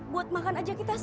buat makan aja kita